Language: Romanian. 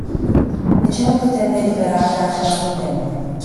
De ce nu putem delibera pe această temă?